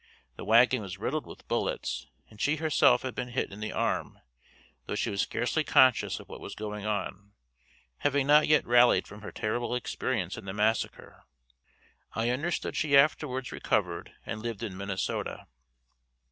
The wagon was riddled with bullets and she herself had been hit in the arm, though she was scarcely conscious of what was going on, having not yet rallied from her terrible experience in the massacre. I understand she afterwards recovered and lived in Minnesota.